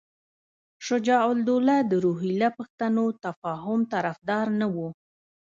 شجاع الدوله د روهیله پښتنو تفاهم طرفدار نه وو.